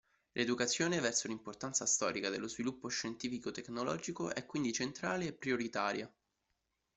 L'educazione verso l'importanza storica dello sviluppo scientifico-tecnologico è quindi centrale e prioritaria.